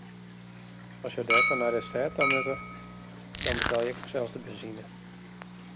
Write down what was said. As jo derfoar nei de stêd ta moatte, dan betelje ik fansels de benzine.